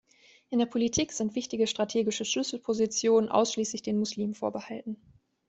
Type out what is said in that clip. In der Politik sind wichtige strategische Schlüsselpositionen ausschließlich den Muslimen vorbehalten.